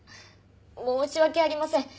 申し訳ありません。